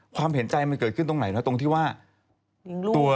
เห็นใจมันเกิดขึ้นตรงไหนนะตรงที่ว่าตัว